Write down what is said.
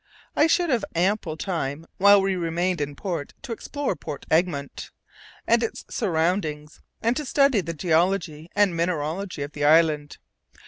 I should have ample time while we remained in port to explore Port Egmont and its surroundings, and to study the geology and mineralogy of the island.